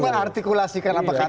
anda kan mengartikulasikan apa katanya